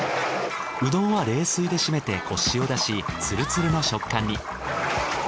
うどんは冷水でしめてコシを出しつるつるの食感に。